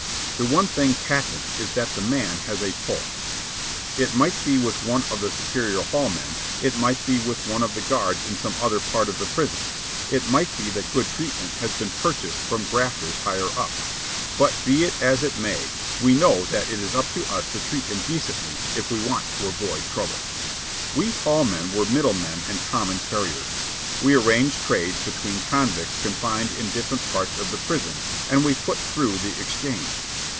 The one thing patent is that the man has a "pull." It may be with one of the superior hall men; it may be with one of the guards in some other part of the prison; it may be that good treatment has been purchased from grafters higher up; but be it as it may, we know that it is up to us to treat him decently if we want to avoid trouble. We hall men were middle men and common carriers. We arranged trades between convicts confined in different parts of the prison, and we put through the exchange.